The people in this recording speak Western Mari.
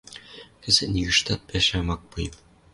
Кӹзӹт нигыштат пӓшӓм ак пуэп.